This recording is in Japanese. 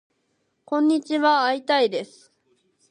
こんにちはーー会いたいです